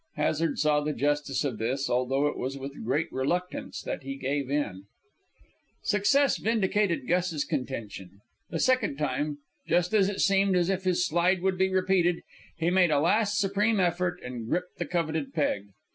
Hazard saw the justice of this, although it was with great reluctance that he gave in. Success vindicated Gus's contention. The second time, just as it seemed as if his slide would be repeated, he made a last supreme effort and gripped the coveted peg.